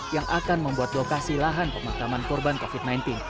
yang akan membuat lokasi lahan pemakaman korban covid sembilan belas